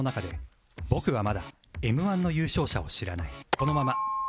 「このまま」。